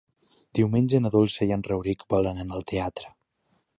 Diumenge na Dolça i en Rauric volen anar al teatre.